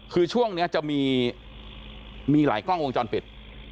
คือช่วงนี้จะมีหลายกล้องวงจรปิด